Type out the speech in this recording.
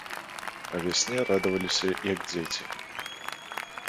А вясне радаваліся, як дзеці.